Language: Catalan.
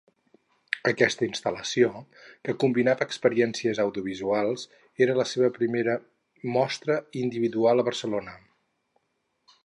Aquesta instal·lació, que combinava experiències audiovisuals, era la seva primera mostra individual a Barcelona.